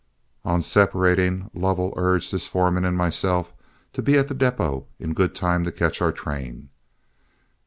On separating, Lovell urged his foreman and myself to be at the depot in good time to catch our train.